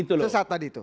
tersesat tadi itu